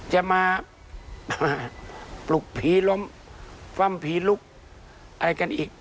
จะมาปลุกผีล้มฟ่ำผีลุกอะไรกันอีก